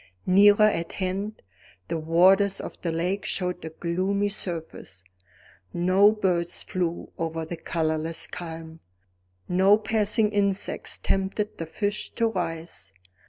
Nearer at hand, the waters of the lake showed a gloomy surface; no birds flew over the colorless calm; no passing insects tempted the fish to rise.